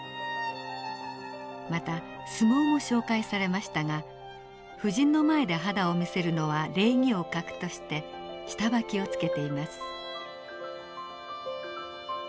また相撲も紹介されましたが婦人の前で肌を見せるのは礼儀を欠くとして下ばきを着けています。